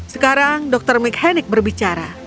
sekarang dr mckennick berbicara